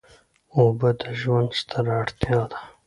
اوبه د ژوند ستره اړتیا ده.